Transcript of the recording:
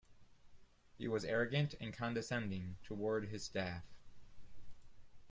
He was arrogant and condescending toward his staff.